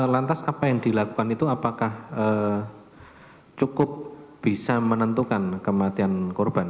lantas apa yang dilakukan itu apakah cukup bisa menentukan kematian korban